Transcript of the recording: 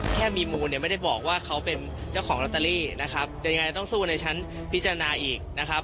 แค่มีมูลเนี่ยไม่ได้บอกว่าเขาเป็นเจ้าของลอตเตอรี่นะครับยังไงต้องสู้ในชั้นพิจารณาอีกนะครับ